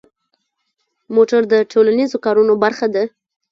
موټر د ټولنیزو کارونو برخه ده.